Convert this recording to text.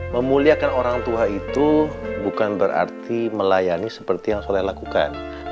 memuliakan orang tua itu bukan berarti melayani seperti yang saya lakukan